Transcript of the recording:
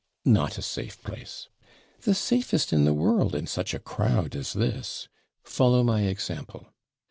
'Not a safe place.' 'The safest in the world, in such a crowd as this. Follow my example.